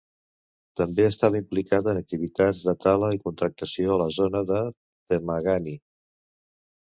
També estava implicat en activitats de tala i contractació a la zona de Temagami.